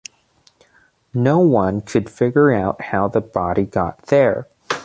No one could figure out how the body got there.